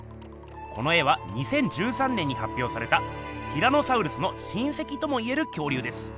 この絵は２０１３年にはっぴょうされたティラノサウルスの親せきともいえる恐竜です。